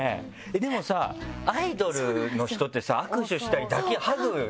でもさアイドルの人ってさ握手したりハグしたり。